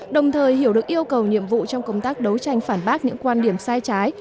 đồng thời hiểu được yêu cầu nhiệm vụ trong công tác đấu tranh phản bác những quan điểm sai trái